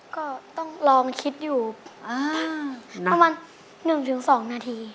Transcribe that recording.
ก็ต้องลองคิดอยู่ประมาณ๑๒นาที